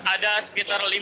ada sekitar lima